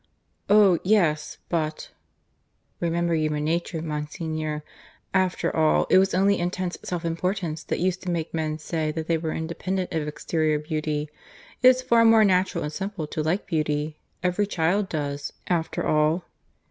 "Oh yes; but " "Remember human nature, Monsignor. After all, it was only intense self importance that used to make men say that they were independent of exterior beauty. It's far more natural and simple to like beauty. Every child does, after all."